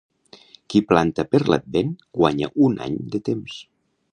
Qui planta per l'advent, guanya un any de temps.